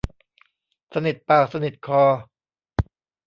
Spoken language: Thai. สนิทปากสนิทคอ